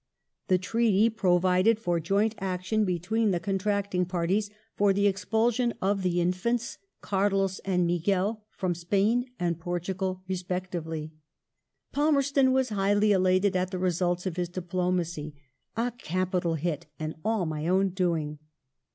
This treaty provided for joint action between the contracting parties for the expulsion of the Infants, Carlos and Miguel, from Spain and Portugal respectively. Pal merston was highly elated at the results of his diplomacy :" a capital hit and all my own doing